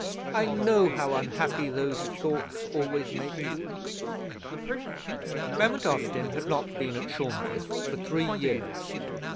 I know how unhappy those thoughts always make you." Clement Austin had not been at Shorncliffe for three years.